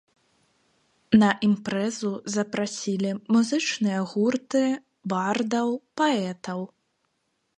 На імпрэзу запрасілі музычныя гурты, бардаў, паэтаў.